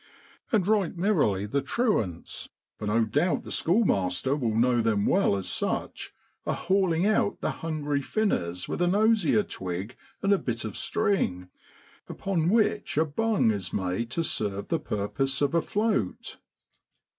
And right merrily the truants, for no doubt the schoolmaster will know them well as such, are haul ing out the hungry finners with an osier twig and a bit of string, upon which a bung is made to serve the purpose of a float.